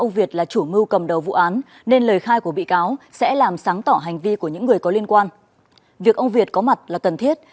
việc ông việt có mặt là cần thiết